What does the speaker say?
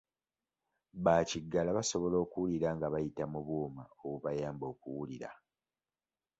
Ba kiggala basobola okuwulira nga bayita mu buuma obubayamba okuwulira.